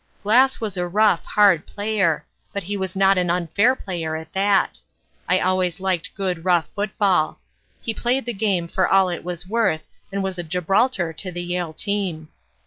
Glass was a rough, hard player, but he was not an unfair player at that. I always liked good, rough football. He played the game for all it was worth and was a Gibraltar to the Yale team.